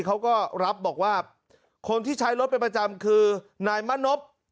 เขาก็รับบอกว่าคนที่ใช้รถเป็นประจำคือนายมะนพ